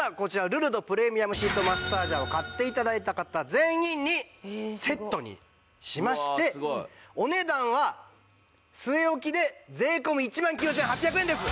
ルルドプレミアムシートマッサージャーを買って頂いた方全員にセットにしましてお値段は据え置きで税込１万９８００円です。